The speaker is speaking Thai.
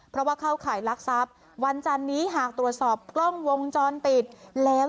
เพราะว่าเข้าข่ายลักทรัพย์วันจันนี้หากตรวจสอบกล้องวงจรปิดแล้ว